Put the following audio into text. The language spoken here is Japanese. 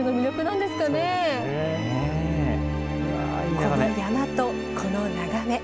この山とこの眺め。